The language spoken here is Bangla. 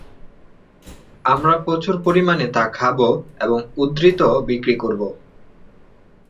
আমরা প্রচুর পরিমাণে তা খাব এবং উদ্বৃত্ত বিক্রি করব।